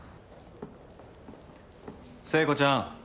聖子ちゃん